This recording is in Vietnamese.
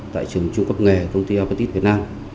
tại trường trung cấp nghề công ty apetit việt nam